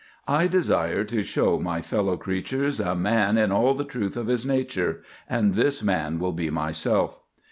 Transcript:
I desire to show my fellow creatures a man in all the truth of his nature—and this man will be myself."